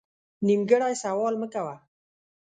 نیمګړی سوال مه کوه